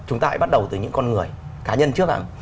chúng ta hãy bắt đầu từ những con người cá nhân trước ạ